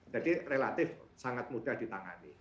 jadi relatif sangat mudah ditangani